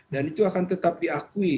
dan itu akan tetap diakui